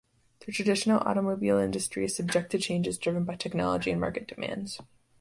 The traditional automobile industry is subject to changes driven by technology and market demands.